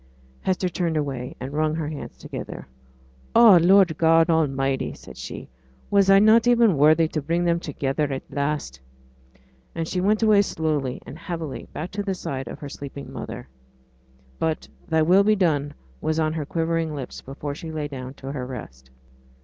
Hester turned away, and wrung her hands together. 'Oh, Lord God Almighty!' said she, 'was I not even worthy to bring them together at last?' And she went away slowly and heavily back to the side of her sleeping mother. But 'Thy will be done' was on her quivering lips before she lay down to her rest.